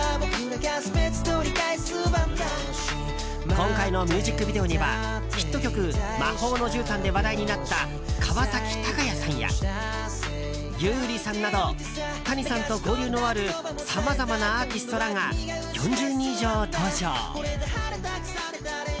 今回のミュージックビデオにはヒット曲「魔法の絨毯」で話題になった川崎鷹也さんや優里さんなどＴａｎｉさんと交流のあるさまざまなアーティストらが４０人以上登場。